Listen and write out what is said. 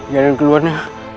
jalan yang lainnya